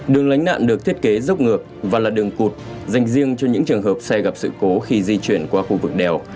đường lánh nạn được thiết kế dốc ngược và là đường cụt dành riêng cho những trường hợp xe gặp sự cố khi di chuyển qua khu vực đèo